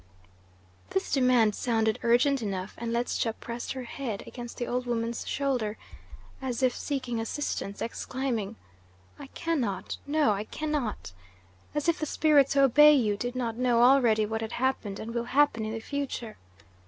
This demand sounded urgent enough, and Ledscha pressed her head against the old woman's shoulder as if seeking assistance, exclaiming: "I can not no, I can not! As if the spirits who obey you did not know already what had happened and will happen in the future!